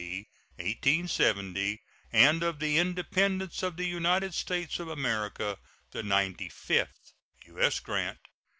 1870, and of the Independence of the United States of America the ninety fifth. U.S. GRANT.